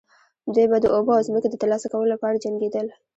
دوی به د اوبو او ځمکې د ترلاسه کولو لپاره جنګیدل.